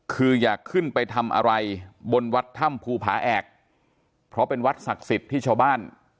คืออยากขึ้นไปทำอะไรบนวัดถ้ำภูผาแอกเพราะเป็นวัดศักดิ์สิทธิ์ที่ชาวบ้าน